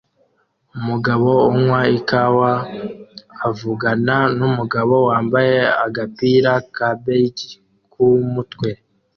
Umugabo unywa ikawa avugana numugabo wambaye agapira ka beige kumutwe